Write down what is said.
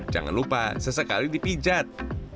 jangan lupa sesekali dipijat